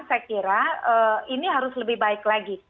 saya kira ini harus lebih baik lagi